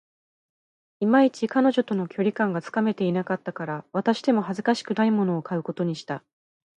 いまいち、彼女との距離感がつかめていなかったから、渡しても恥ずかしくないものを買うことにした